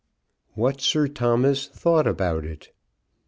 WHAT SIR THOMAS THOUGHT ABOUT IT.